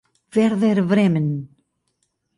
Werder Bremen